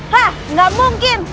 hah gak mungkin